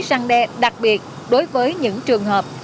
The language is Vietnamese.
răng đe đặc biệt đối với những trường hợp